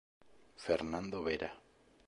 Fernando Vera